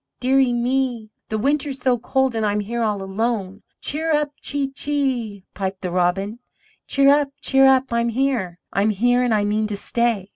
dear ie me! The winter is so cold and I'm here all alone!" "Cheerup, chee chee!" piped the Robin: "Cheerup, cheerup, I'm here! I'm here and I mean to stay.